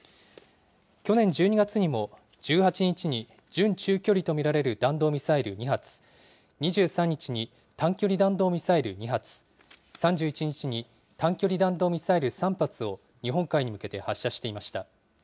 去年１２月にも、１８日に準中距離と見られる弾道ミサイル２発、２３日に短距離弾道ミサイル２発、３１日に短距離弾道ミサイル３発を日本海に向けて発射していました。